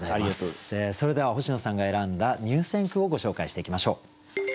それでは星野さんが選んだ入選句をご紹介していきましょう。